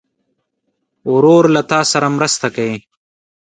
ورور له تا سره مرسته کوي.